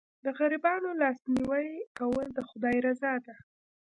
د غریبانو لاسنیوی کول د خدای رضا ده.